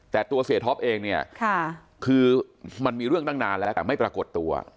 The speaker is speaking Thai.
แต่ตัวเสียท็อปเองเนี่ยคือมันมีเรื่องตั้งนานแล้วแต่ไม่ปรากฏตัว